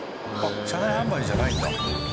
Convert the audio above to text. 車内販売じゃないんだ。